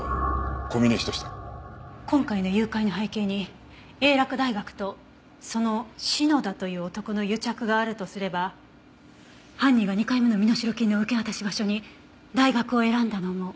今回の誘拐の背景に英洛大学とその篠田という男の癒着があるとすれば犯人が２回目の身代金の受け渡し場所に大学を選んだのも。